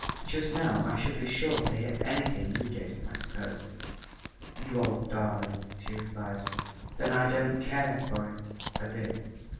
"Just now I should be sure to hear anything you did, I suppose." "You old darling," she replied, "then I don't care for it a bit."